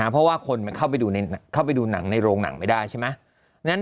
เพราะว่าคนมันเข้าไปดูหนังในโรงหนังไม่ได้ใช่ไหม